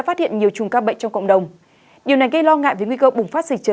phát hiện nhiều chùm ca bệnh trong cộng đồng điều này gây lo ngại với nguy cơ bùng phát dịch trở